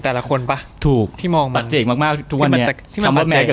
ถ้าเทียบกับ๘๖